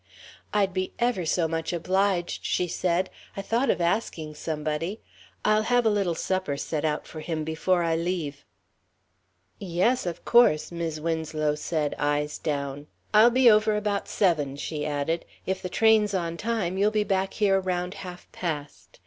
"I'd be ever so much obliged," she said; "I thought of asking somebody. I'll have a little supper set out for him before I leave." "Yes, of course," Mis' Winslow said, eyes down. "I'll be over about seven," she added. "If the train's on time, you'll be back here around half past.